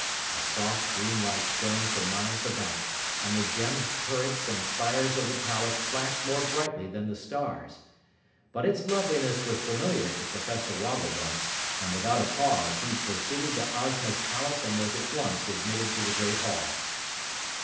A soft green light shone for miles about, and the gemmed turrets and spires of the palace flashed more brightly than the stars. But its loveliness was familiar to Professor Wogglebug, and without a pause he proceeded to Ozma's palace and was at once admitted to the great hall.